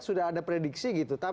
sudah ada prediksi gitu